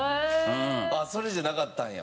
あっそれじゃなかったんや。